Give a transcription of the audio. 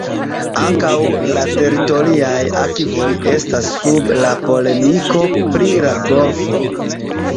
Ankaŭ la teritoriaj akvoj estas sub la polemiko pri la golfo.